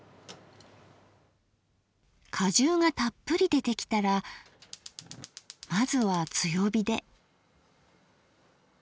果汁がたっぷり出てきたらまずは強火で。